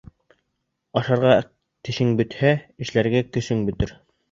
Ашарға тешең бөтһә, эшләргә көсөң бөтөр.